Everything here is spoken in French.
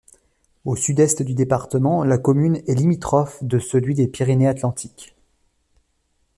Au sud-est du département, la commune est limitrophe de celui des Pyrénées-Atlantiques.